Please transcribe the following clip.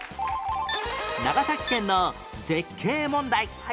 長崎県の絶景問題